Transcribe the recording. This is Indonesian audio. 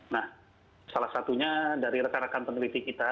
nah salah satunya dari rekan rekan peneliti kita